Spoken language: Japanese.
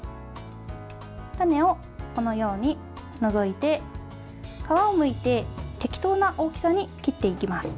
種を、このように除いて皮をむいて適当な大きさに切っていきます。